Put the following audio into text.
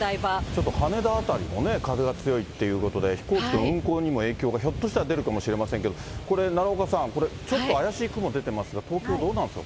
ちょっと羽田辺りもね、風が強いということで、飛行機の運航にも、影響がひょっとしたら出るかもしれませんけど、これ、奈良岡さん、ちょっと怪しい雲出てますが、東京どうなるんですか？